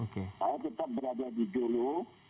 saya tetap berada di jolo